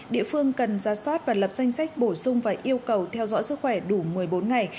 địa phương cần ra soát và lập danh sách bổ sung và yêu cầu theo dõi sức khỏe đủ một mươi bốn ngày